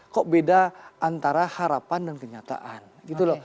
kok beda antara harapan dan kenyataan gitu loh